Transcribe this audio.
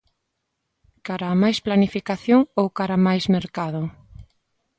Cara a máis planificación ou cara a máis mercado?